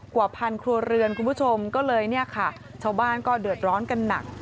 กว่าพันครัวเรือนคุณผู้ชมก็เลยเนี่ยค่ะชาวบ้านก็เดือดร้อนกันหนัก